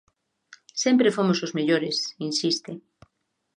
"Sempre fomos os mellores", insiste.